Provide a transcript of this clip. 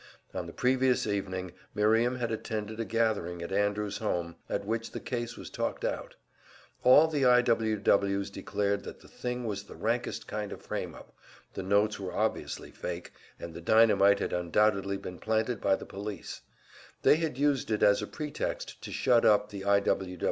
On the previous evening Miriam had attended a gathering at Andrews' home, at which the case was talked out. All the I. W. W.'s declared that the thing was the rankest kind of frame up; the notes were obviously fake, and the dynamite had undoubtedly been planted by the police. They had used it as a pretext to shut up the I.